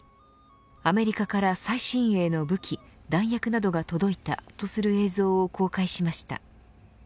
アメリカから、最新鋭の武器・弾薬などが届いたとする映像を公開しました。